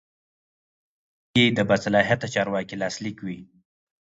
په دې کې د باصلاحیته چارواکي لاسلیک وي.